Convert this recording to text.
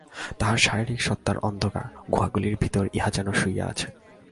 তাহার শারীরিক সত্তার অন্ধকার গুহাগুলির ভিতর উহা যেন শুইয়া আছে।